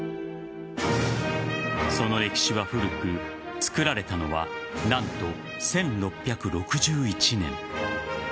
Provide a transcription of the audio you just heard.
その歴史は古く作られたのは何と１６６１年。